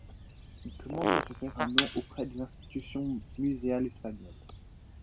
Ils commencent à se faire un nom auprès des institutions muséales espagnoles.